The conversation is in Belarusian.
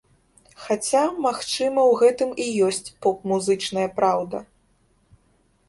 Хаця, магчыма, у гэтым і ёсць поп-музычная праўда.